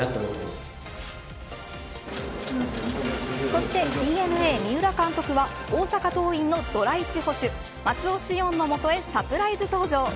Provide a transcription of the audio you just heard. そしてＤｅＮＡ三浦監督は大阪桐蔭のドラ１捕手、松尾汐恩の元へサプライズ登場。